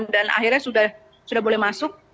dan akhirnya sudah boleh masuk